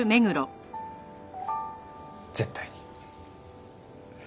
絶対に。